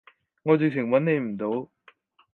我直情揾你唔到